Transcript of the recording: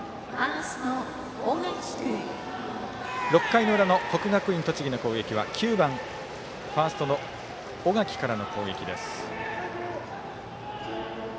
６回の裏の国学院栃木の攻撃は９番、ファーストの小垣からの攻撃です。